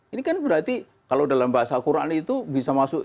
ini kan berarti kalau dalam bahasa quran itu bisa masuk